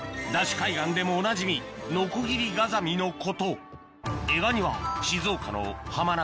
海岸でもおなじみノコギリガザミのこと